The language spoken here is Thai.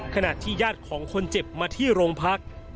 ขณะที่ญาติของคนเจ็บมาที่โรงพัก